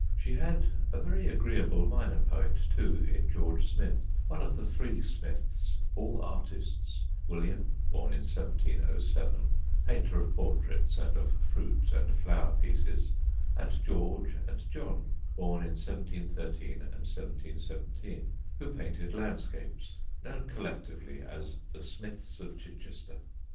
She had a very agreeable minor poet, too, in George Smith, one of the Three Smiths all artists: William, born in 1707, painter of portraits and of fruit and flower pieces, and George and John, born in 1713 and 1717, who painted landscapes, known collectively as the Smiths of Chichester.